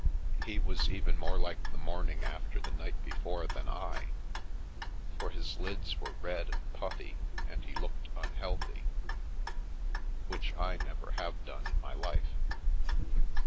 He was even more like the morning after the night before than I, for his lids were red and puffy, and he looked unhealthy, which I never have done in my life.